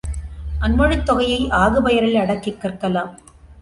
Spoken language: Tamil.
அன்மொழித் தொகையை ஆகுபெயரில் அடக்கிக் கற்கலாம்.